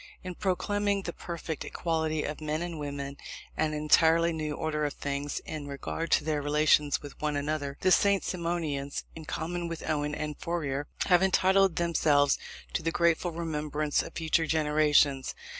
In proclaiming the perfect equality of men and women, and an entirely new order of things in regard to their relations with one another, the St. Simonians, in common with Owen and Fourier, have entitled themselves to the grateful remembrance of future generations.